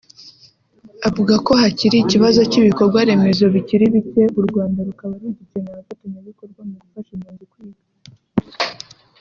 Avuga ko hakiri ikibazo cy’ibikorwa remezo bikiri bikcye u Rwanda rukaba rugikeneye abafatanyabikorwa mu gufasha impunzi kwiga